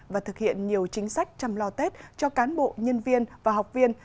và thực hiện nhiều chính sách chăm lo tết cho cán bộ nhân viên và học viên